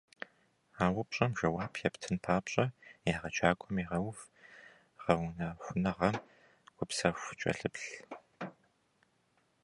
А упщӀэм жэуап ептын папщӀэ, егъэджакӀуэм игъэув гъэунэхуныгъэм гупсэхуу кӀэлъыплъ.